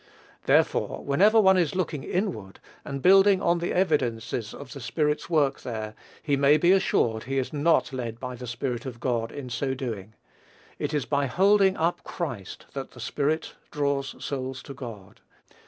Therefore, whenever one is looking inward, and building on the evidences of the Spirit's work there, he may be assured he is not led by the Spirit of God in so doing. It is by holding up Christ that the Spirit draws souls to God.